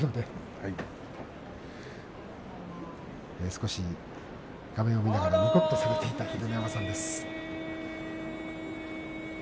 少し画面を見ながらにこっとされていた秀ノ山さんです。